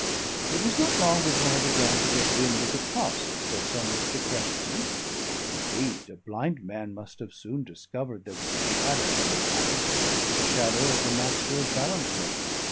It was not long before I began to get wind of the causes that so much depressed him. Indeed, a blind man must have soon discovered there was a shadow on that house, the shadow of the Master of Ballantrae.